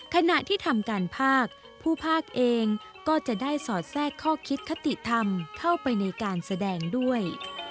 ขณะที่ทำการภาคผู้ภาคเองก็จะได้สอดแทรกข้อคิดคติธรรมเข้าไปในการแสดงด้วย